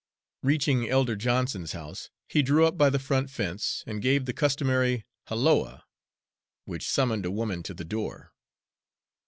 Reaching Elder Johnson's house, he drew up by the front fence and gave the customary halloa, which summoned a woman to the door.